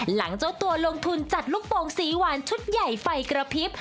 หลังเจ้าตัวลงทุนจัดลูกโป่งสีหวานชุดใหญ่ไฟกระพริบ